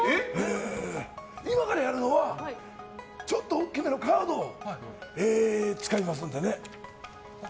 今からやるのは、ちょっと大きなカードを使いますので。